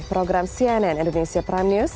program cnn indonesia prime news